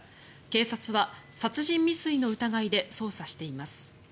警察は殺人未遂の疑いで捜査しています。